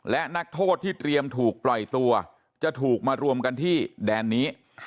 และนักโทษที่เตรียมถูกปล่อยตัวจะถูกมารวมกันที่แดนนี้